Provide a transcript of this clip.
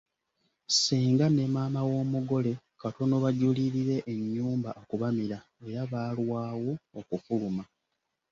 Ssenga ne maama w'omugole katono bajulirire ennyumba okubamira era baalwawo okufuluma.